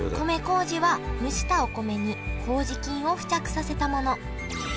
米こうじは蒸したお米にこうじ菌を付着させたもの。